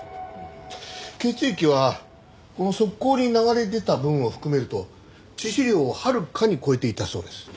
血液はこの側溝に流れ出た分を含めると致死量をはるかに超えていたそうです。